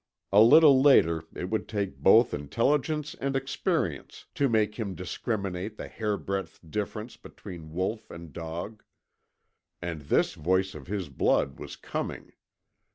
A little later it would take both intelligence and experience to make him discriminate the hair breadth difference between wolf and dog. And this voice of his blood was COMING!